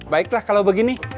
baiklah kalau begini